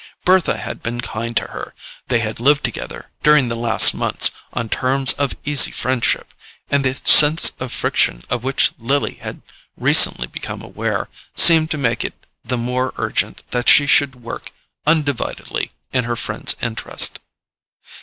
Bertha had been kind to her, they had lived together, during the last months, on terms of easy friendship, and the sense of friction of which Lily had recently become aware seemed to make it the more urgent that she should work undividedly in her friend's interest.